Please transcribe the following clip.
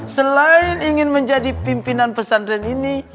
selain ingin menjadi pimpinan pesantren ini